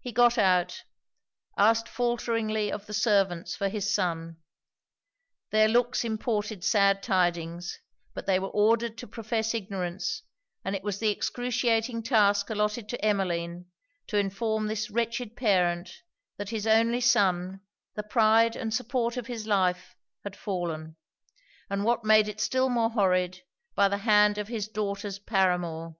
He got out; asked faulteringly of the servants for his son. Their looks imported sad tidings; but they were ordered to profess ignorance, and it was the excruciating task allotted to Emmeline to inform this wretched parent that his only son, the pride and support of his life, had fallen; and what made it still more horrid, by the hand of his daughter's paramour.